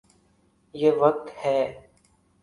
یہ وقت ہے۔